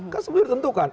kan sudah ditentukan